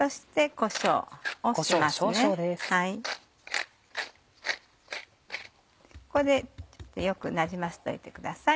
これでよくなじませておいてください。